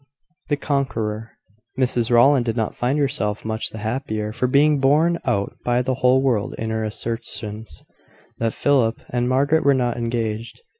THE CONQUEROR. Mrs Rowland did not find herself much the happier for being borne out by the whole world in her assertions, that Philip and Margaret were not engaged.